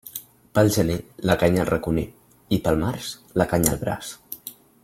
Pel gener la canya al raconer i pel març la canya al braç.